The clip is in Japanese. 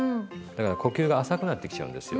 だから呼吸が浅くなってきちゃうんですよ。